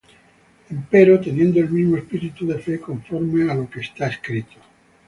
Empero teniendo el mismo espíritu de fe, conforme á lo que está escrito: